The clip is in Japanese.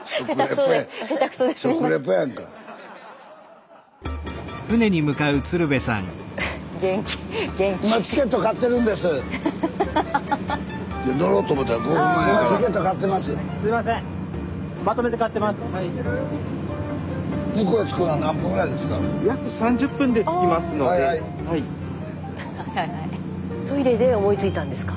スタジオトイレで思いついたんですか？